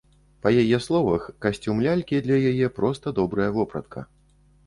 Па яе словах, касцюм лялькі для яе проста добрая вопратка.